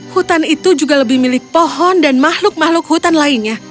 hutan itu juga lebih milik pohon dan makhluk makhluk hutan lainnya